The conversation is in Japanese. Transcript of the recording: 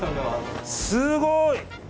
すごい！